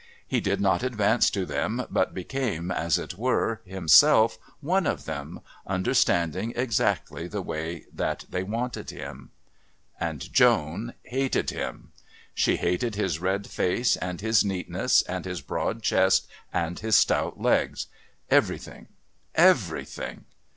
He did not advance to them but became, as it were, himself one of them, understanding exactly the way that they wanted him. And Joan hated him; she hated his red face and his neatness and his broad chest and his stout legs everything, everything!